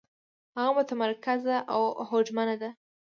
هغه متمرکزه او هوډمنه ده.